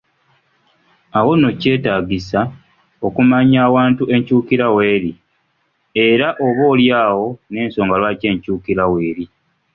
Awo nno kyetaagisa okumanya awantu enkyukira w’eri era oboolyawo n’ensonga lwaki enkyukira weeri.